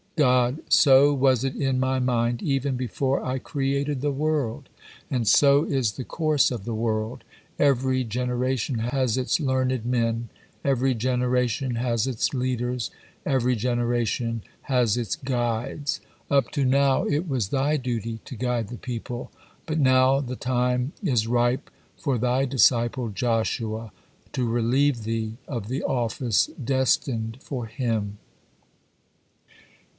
God: "So was it in My mind even before I created the world, and so is the course of the world; every generation has its learned men, every generation has its leaders, every generation has its guides. Up to now it was thy duty to guide the people, but not the time it ripe for thy disciple Joshua to relieve thee of the office destined for him."